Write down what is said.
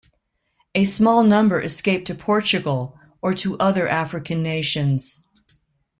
A small number escaped to Portugal or to other African nations.